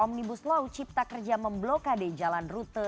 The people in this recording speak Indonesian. pencipta kerja memblokade jalan rute